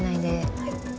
はい。